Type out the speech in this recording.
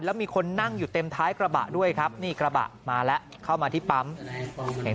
แล้วมีคนนั่งอยู่เต็มท้ายกระบะด้วยครับนี่กระบะมาแล้วเข้ามาที่ปั๊มเห็น